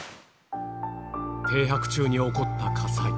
停泊中に起こった火災。